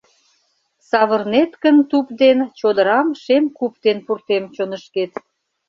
Савырнет гын туп ден, чодырам шем куп ден пуртем чонышкет.